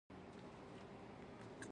د بخارۍ حرارت د یخنۍ مخه نیسي.